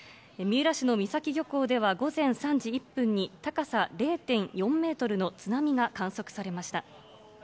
三浦市の三崎漁港では、午前３時１分に高さ０．４メートルの津波が観測されました。